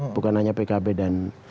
bukan hanya pkb dan